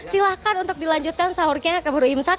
silahkan untuk dilanjutkan sahurnya keburu imsak